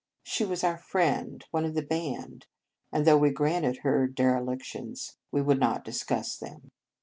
She was our friend, one of the band, and though we granted her derelictions, we would not discuss them.